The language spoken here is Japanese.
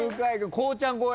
こうちゃん超え。